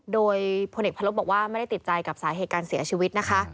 โดยพลเอกพระลบบอกว่าไม่ได้ติดใจกับสาเหตุการเสียชีวิตนะคะ